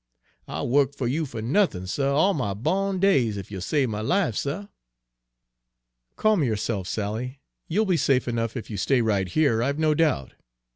I'll wuk fer you fer nuthin', suh, all my bawn days, ef you'll save my life, suh!" "Calm yourself, Sally. You'll be safe enough if you stay right here, I 'we no doubt.